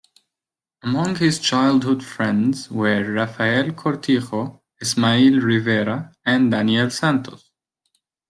Among his childhood friends were Rafael Cortijo, Ismael Rivera and Daniel Santos.